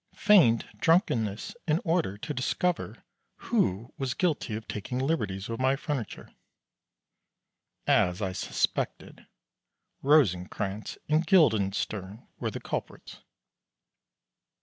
Feigned drunkenness in order to discover who was guilty of taking liberties with my furniture. As I suspected, Rosencrantz and Guildenstern were the culprits.